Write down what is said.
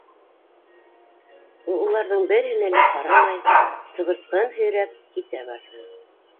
Ул, уларҙың береһенә лә ҡарамай, сыбыртҡыһын һөйрәп китә бирҙе.